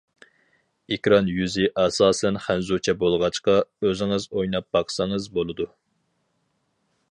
ئېكران يۈزى ئاساسەن خەنزۇچە بولغاچقا، ئۆزىڭىز ئويناپ باقسىڭىز بولىدۇ.